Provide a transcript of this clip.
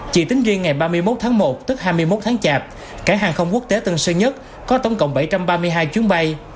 chỉ tính riêng ngày ba mươi một tháng một tức hai mươi một tháng chạp cảng hàng không quốc tế tân sơn nhất có tổng cộng bảy trăm ba mươi hai chuyến bay